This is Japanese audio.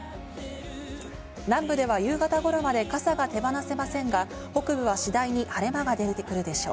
南部では夕方頃まで傘が手放せませんが、北部は次第に晴れ間が出てくるでしょう。